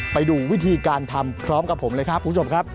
ไปดูวิธีการทำพร้อมกับผมเลยครับคุณผู้ชมครับ